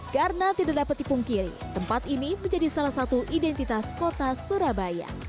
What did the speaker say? karena tidak dapat dipungkiri tempat ini menjadi salah satu identitas kota surabaya